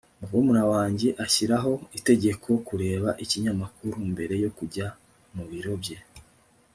Murumuna wanjye ashyiraho itegeko kureba ikinyamakuru mbere yo kujya mubiro bye